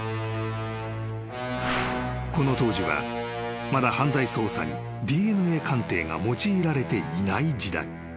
［この当時はまだ犯罪捜査にＤＮＡ鑑定が用いられていない時代］